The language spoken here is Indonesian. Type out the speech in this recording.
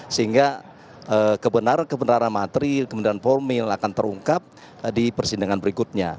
sehingga kebenaran kebenaran materi kemudian formil akan terungkap di persidangan berikutnya